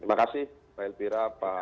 terima kasih pak elvira pak